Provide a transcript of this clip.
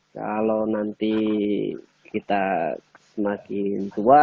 kalau nanti kita semakin tua